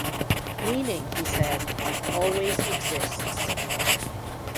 Meaning, he said, always exists.